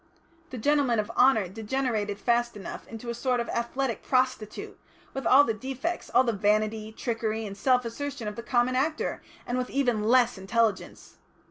The gentlemen of honour degenerated fast enough into a sort of athletic prostitute, with all the defects, all the vanity, trickery, and self assertion of the common actor, and with even less intelligence.